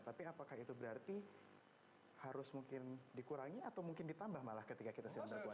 tapi apakah itu berarti harus mungkin dikurangi atau mungkin ditambah malah ketika kita sudah berpuasa